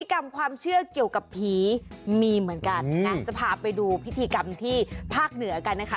กรรมความเชื่อเกี่ยวกับผีมีเหมือนกันนะจะพาไปดูพิธีกรรมที่ภาคเหนือกันนะคะ